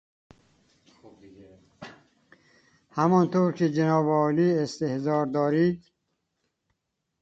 همانطور که جناب عالی استحضار دارید...